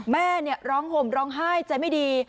แม่ร้องห่มร้องไห้ใจไม่ดี